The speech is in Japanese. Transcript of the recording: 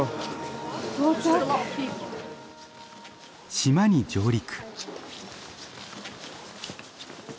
島に上陸。